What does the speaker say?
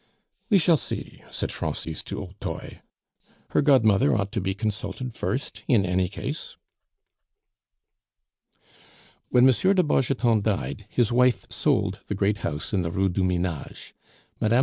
"We shall see," said Francis du Hautoy; "her godmother ought to be consulted first, in any case." When M. de Bargeton died, his wife sold the great house in the Rue du Minage. Mme.